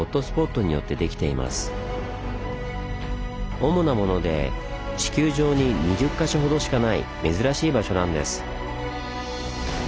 主なもので地球上に２０か所ほどしかない珍しい場所なんです。